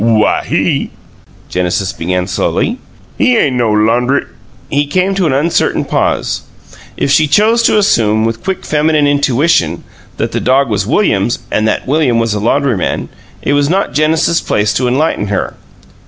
"Why, he," Genesis began slowly, "HE ain' no laundrym " He came to an uncertain pause. If she chose to assume, with quick feminine intuition, that the dog was William's and that William was a laundryman, it was not Genesis's place to enlighten her.